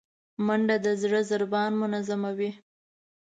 منډه د زړه ضربان منظموي